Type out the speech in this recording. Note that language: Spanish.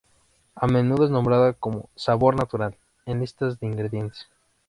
A menudo es nombrada como "sabor natural" en listas de ingredientes.